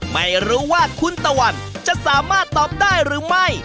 ไม่รู้ว่าคุณตะวันจะสามารถตอบได้หรือไม่